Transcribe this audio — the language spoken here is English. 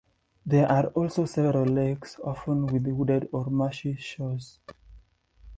There are also several lakes, often with wooded or marshy shores.